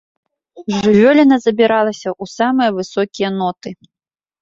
Жывёліна забіралася ў самыя высокія ноты.